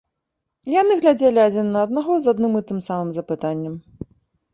Яны глядзелі адзін на аднаго з адным і тым самым запытаннем.